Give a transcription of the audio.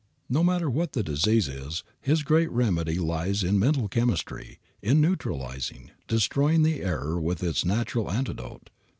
No matter what the disease is his great remedy lies in mental chemistry, in neutralizing, destroying the error with its natural antidote.